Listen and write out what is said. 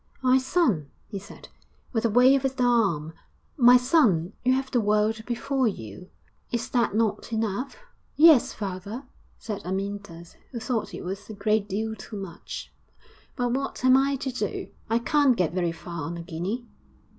'My son,' he said, with a wave of the arm; 'my son, you have the world before you is that not enough?' 'Yes, father,' said Amyntas, who thought it was a great deal too much; 'but what am I to do? I can't get very far on a guinea.'